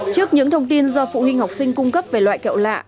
trước những thông tin do phụ huynh học sinh cung cấp về loại kẹo lạ